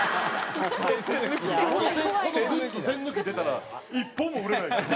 このグッズ栓抜き出たら１本も売れないですよ。